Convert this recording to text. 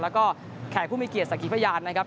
แล้วก็แขกผู้มีเกียรติสักขีพยานนะครับ